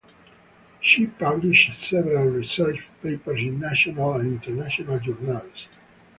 She published several research papers in national and international journals.